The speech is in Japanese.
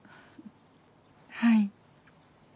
はい。